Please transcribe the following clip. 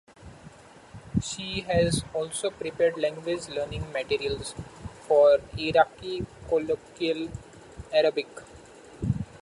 She has also prepared language learning materials for Iraqi colloquial Arabic.